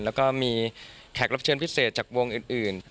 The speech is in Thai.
แล้วก็มีแขกรับเชิญพิเศษจากวงอื่น